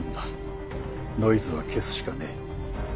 ノイズは消すしかねえ。